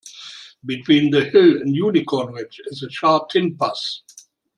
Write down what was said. Between the hill and Unicorn Ridge is Sha Tin Pass.